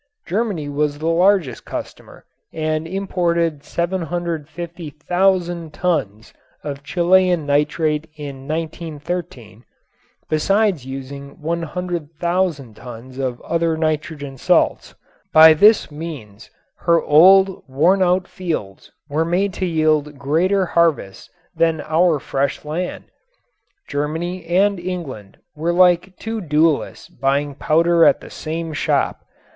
Germany was the largest customer and imported 750,000 tons of Chilean nitrate in 1913, besides using 100,000 tons of other nitrogen salts. By this means her old, wornout fields were made to yield greater harvests than our fresh land. Germany and England were like two duelists buying powder at the same shop.